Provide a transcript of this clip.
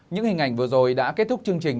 những hình ảnh vừa rồi đã kết thúc chương trình